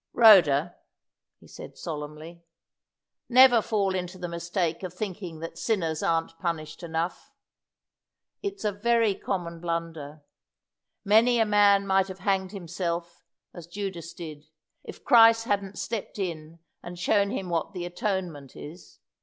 "Rhoda," he said, solemnly, "never fall into the mistake of thinking that sinners aren't punished enough. It's a very common blunder. Many a man might have hanged himself, as Judas did, if Christ hadn't stepped in and shown him what the atonement is.